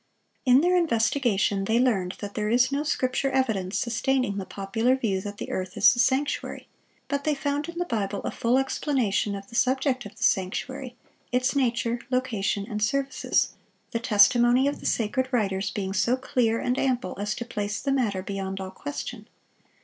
In their investigation they learned that there is no Scripture evidence sustaining the popular view that the earth is the sanctuary; but they found in the Bible a full explanation of the subject of the sanctuary, its nature, location, and services; the testimony of the sacred writers being so clear and ample as to place the matter beyond all question.